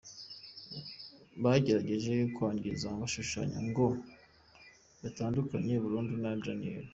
Bagerageje kwangiza bashushanya ko ngo natandukanye burundu na Daniella.